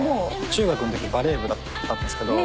中学のときバレー部だったんですけど。